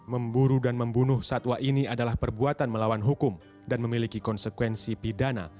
memburu dan membunuh satwa ini adalah perbuatan melawan hukum dan memiliki konsekuensi pidana